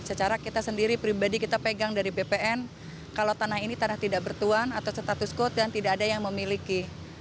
secara kita sendiri pribadi kita pegang dari bpn kalau tanah ini tanah tidak bertuan atau status quote dan tidak ada yang memiliki